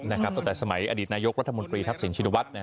ตั้งแต่สมัยอดีตนายกรัฐมนตรีทักษิณชินวัฒน์